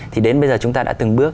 thì đến bây giờ chúng ta đã từng bước